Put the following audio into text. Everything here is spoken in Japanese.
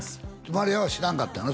マリアは知らんかったんやろ？